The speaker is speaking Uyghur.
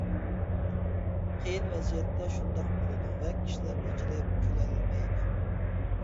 قىيىن ۋەزىيەتتە شۇنداق بولىدۇ ۋە كىشىلەر ئېچىلىپ كۈلەلمەيدۇ.